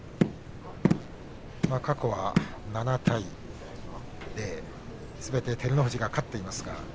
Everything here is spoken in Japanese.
過去は７対０すべて照ノ富士が勝っています。